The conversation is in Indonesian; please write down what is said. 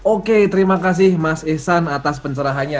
oke terima kasih mas ihsan atas pencerahannya